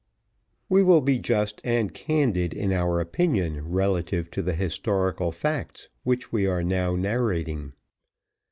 We will be just and candid in our opinion relative to the historical facts which we are now narrating.